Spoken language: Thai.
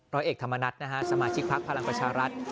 ร้อยเอกธรรมนัฐนะฮะสมาชิกพักพลังประชารัฐ